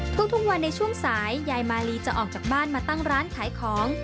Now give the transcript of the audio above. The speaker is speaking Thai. ทุกวันในช่วงสายยายมาลีจะออกจากบ้านมาตั้งร้านขายของ